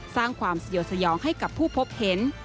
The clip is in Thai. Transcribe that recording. สร้างความสยวสยองให้กับผู้พบเห็น